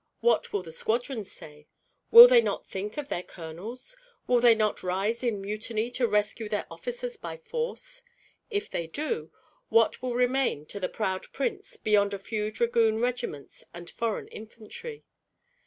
What will the squadrons say? Will they not think of their colonels? Will they not rise in mutiny to rescue their officers by force? If they do, what will remain to the proud prince beyond a few dragoon regiments and foreign infantry?